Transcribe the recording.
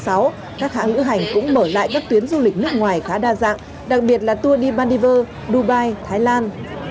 các hãng lữ hành cũng mở lại các tuyến du lịch nước ngoài khá đa dạng đặc biệt là tour đi baldives dubai thái lan